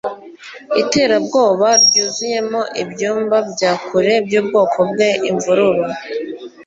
Iterabwoba ryuzuyemo ibyumba bya kure byubwonko bwe imvururu